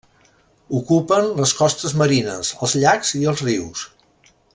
Ocupen les costes marines, els llacs i els rius.